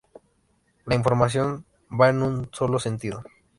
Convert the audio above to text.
La información va en un solo sentido.